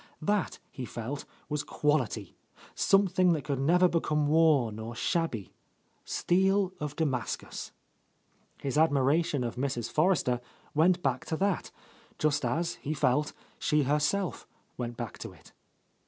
That, he felt, was quality ; something that could never become worn or shabby; steel of Damascus. His admiration of Mrs. Forrester went back to that, just as, he felt, she herself went back to it.